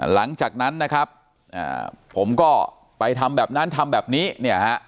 หลังจากนั้นนะครับผมก็ไปทำแบบนั้นทำแบบนี้เนี่ยฮะ